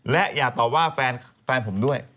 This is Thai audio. และอย่าตอบว่าแฟนผมด้วย